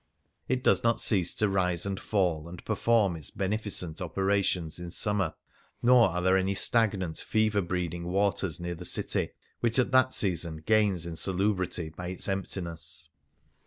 It does not cease to rise and fall and perform its beneficent operations in summer, nor are there any stagnant, fever breeding waters near the city, which at that season gains in salubrity by its emptiness.